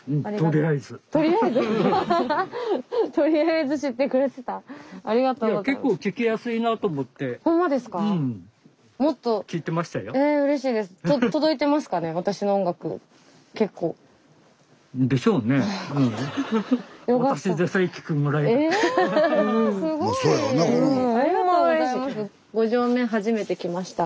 えすごい！ありがとうございます。